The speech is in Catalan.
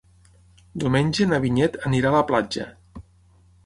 Diumenge na Vinyet anirà a la platja.